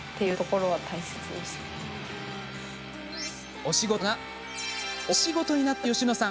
推し事がお仕事になった吉野さん